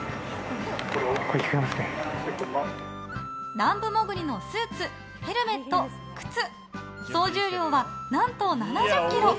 南部潜りのスーツ、ヘルメット、靴総重量は何と７０ｋｇ！